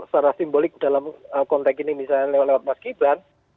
secara simbolik dalam konteks ini misalnya lewat mas gibran